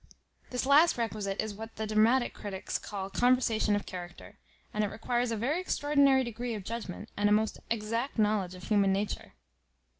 This last requisite is what the dramatic critics call conversation of character; and it requires a very extraordinary degree of judgment, and a most exact knowledge of human nature.